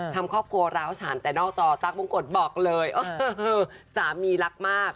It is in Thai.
ทำครอบครัวร้าวฉันแต่นอกจอตั๊กบงกฎบอกเลยสามีรักมาก